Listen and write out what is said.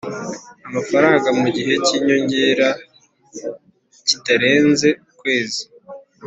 amafaranga mu gihe cy inyongera kitarenze ukwezi